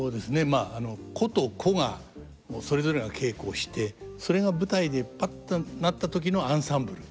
まあ個と個がそれぞれが稽古をしてそれが舞台でパッとなった時のアンサンブル？